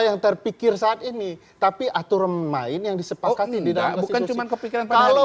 yang terpikir saat ini tapi atur main yang disepakkan tidak bukan cuman kepikiran kalau